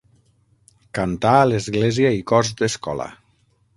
Cantà a l'església i cors d'escola.